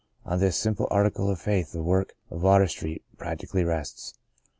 On this simple article of faith the work of Water Street practically rests.